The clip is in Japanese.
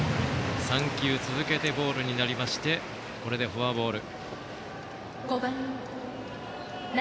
３球続けてボールとなりましてフォアボール。